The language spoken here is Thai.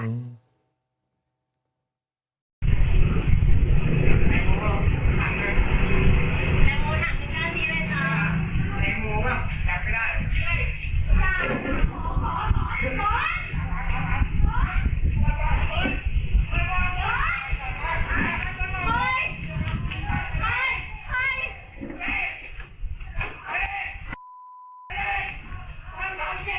พี่โดรนถอยไปไว้